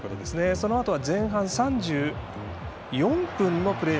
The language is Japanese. そのあと、前半３４分のプレー。